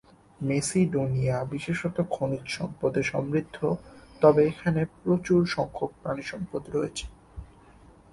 Macedonia বিশেষত খনিজ সম্পদে সমৃদ্ধ, তবে এখানে প্রচুর সংখ্যক প্রাণিসম্পদ রয়েছে।